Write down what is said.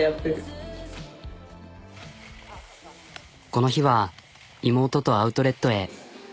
この日は妹とアウトレットへ。